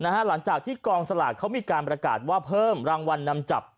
หลังจากที่กองสลากเขามีการประกาศว่าเพิ่มรางวัลนำจับ